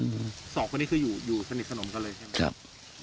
สองคนคืออยู่ที่สนิทขนมกันเลยใช่ไหม